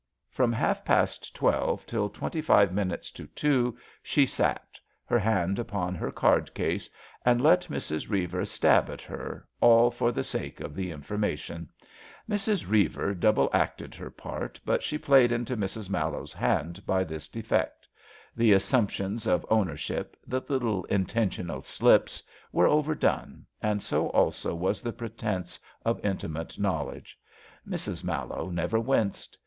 From half past twelve till twenty five minutes to two she sat, her hand upon her card case, and let Mrs. Beiver stab at her, all for the sake of the information. Mrs. Eeiver double acted her part, but she played into Mrs. Mallowe *s hand by this defect. The assumptions of owner ship, the little intentional slips, were overdone, and so also was the pretence of intimate knowl edge. Mrs. Mallowe never winced.